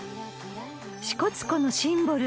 ［支笏湖のシンボル